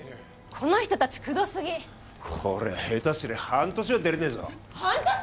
この人達くどすぎこりゃ下手すりゃ半年は出れねえぞ半年！？